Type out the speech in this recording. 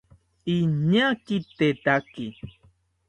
Iñaa kitetaki